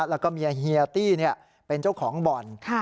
แล้วก็เมียเฮียตี้เป็นเจ้าของบ่อน